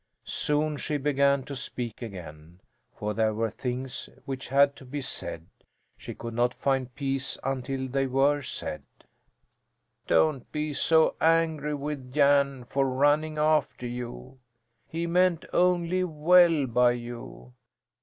Soon she began to speak again, for there were things which had to be said; she could not find peace until they were said. "Don't be so angry with Jan for running after you! He meant only well by you.